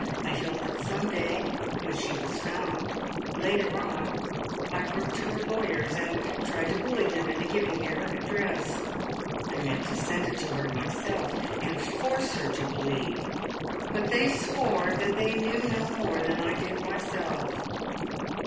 I felt that some day, when she was found Later on I wrote to her lawyers, and tried to bully them into giving me her address. I meant to send it to her myself, and force her to believe. But they swore that they knew no more than I did myself.